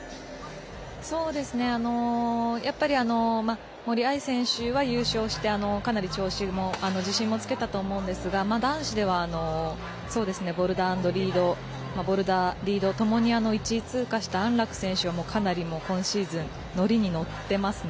やっぱり、森秋彩選手は優勝して、かなり調子も自信もつけたと思うんですが男子ではボルダー＆リード、ともに１位通過した安楽選手も今シーズン、かなりノリに乗っていますね。